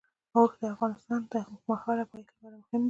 اوښ د افغانستان د اوږدمهاله پایښت لپاره مهم دی.